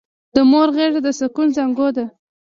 د مور غېږه د سکون زانګو ده!